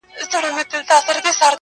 د سترگو توره سـتــا بـلا واخلـمـه~